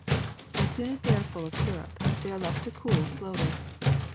As soon as they are full of syrup they are left to cool slowly.